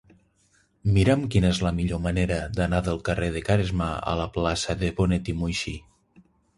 Mira'm quina és la millor manera d'anar del carrer de Caresmar a la plaça de Bonet i Muixí.